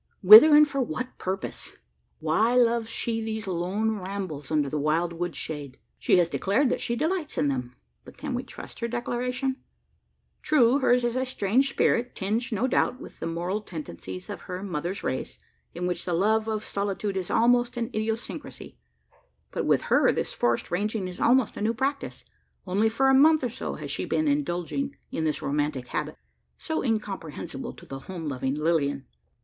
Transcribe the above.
Whither, and for what purpose? Why loves she these lone rambles under the wild wood shade? She has declared that she delights in them; but can we trust her declaration? True, hers a strange spirit tinged, no doubt, with the moral tendencies of her mother's race in which the love of solitude is almost an idiosyncrasy. But with her this forest ranging is almost a new practice: only for a month or so has she been indulging in this romantic habit so incomprehensible to the home loving Lilian.